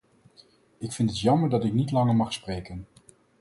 Ik vind het jammer dat ik niet langer mag spreken!